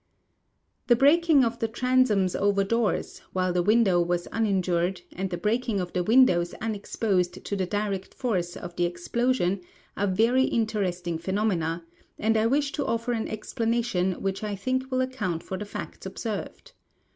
* The breaking of the transoms over doors, while the window w'as uninjured, and the breaking of the windows unexposed to the direct force of the explosion are very interesting phenomena, and I wish to otTer an explanation which I think will account for the facts observed.